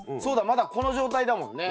まだこの状態だもんね。